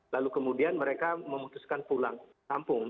lalu kemudian mereka memutuskan pulang kampung